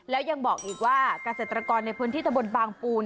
แล้วยังบอกอีกว่าเกษตรกรในพื้นที่ตะบนบางปู